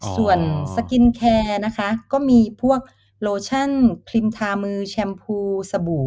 ส่วนสกินแคร์นะคะก็มีพวกโลชั่นพรีมทามือแชมพูสบู่